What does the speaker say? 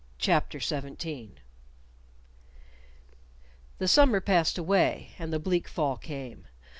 CHAPTER 17 The summer passed away, and the bleak fall came.